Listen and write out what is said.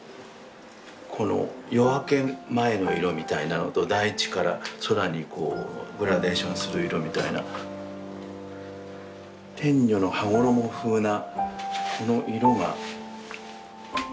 この夜明け前の色みたいなのと大地から空にこうグラデーションする色みたいな天女の羽衣風なこの色が。